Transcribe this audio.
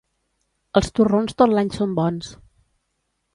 Els torrons tot l'any són bons.